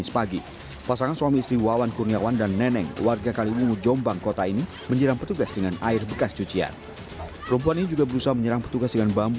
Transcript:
pasangan suami istri pemilik warung menolak direlokasi hingga melawan dan juga menyiram petugas